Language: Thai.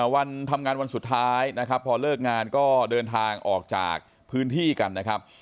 วันทำงานวันสุดท้ายนะครับพอเลิกงานก็เดินทางออกจากพื้นที่กันนะครับ